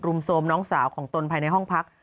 โทรมน้องสาวของตนภายในห้องพัก